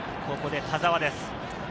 ここで田澤です。